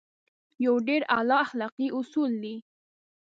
يو ډېر اعلی اخلاقي اصول دی.